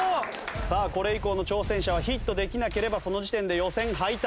さあこれ以降の挑戦者はヒットできなければその時点で予選敗退。